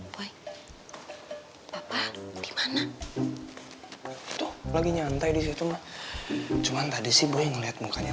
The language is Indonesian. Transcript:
woi papa gimana tuh lagi nyantai disitu cuma tadi sih boleh ngelihat mukanya